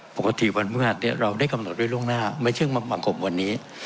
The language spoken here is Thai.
ปกติวันเมือดเนี่ยเราได้กำหนดด้วยล่วงหน้าไม่เชื่อมันประกบวันนี้